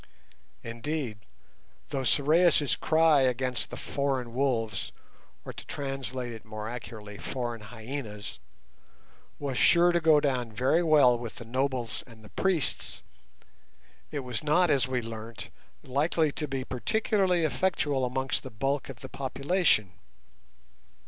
Indeed, though Sorais' cry against the "foreign wolves"—or, to translate it more accurately, "foreign hyenas"—was sure to go down very well with the nobles and the priests, it was not as we learnt, likely to be particularly effectual amongst the bulk of the population.